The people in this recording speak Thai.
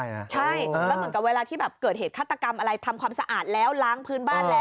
ใช่แล้วเหมือนกับเวลาที่แบบเกิดเหตุฆาตกรรมอะไรทำความสะอาดแล้วล้างพื้นบ้านแล้ว